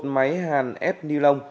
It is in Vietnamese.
một máy hàn ép nilon